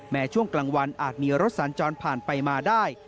ช่วงกลางวันอาจมีรถสัญจรผ่านไปมาได้